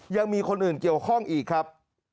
ยังมีคนอื่นเกี่ยวข้องอีกครับ